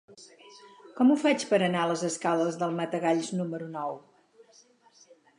Com ho faig per anar a les escales del Matagalls número nou?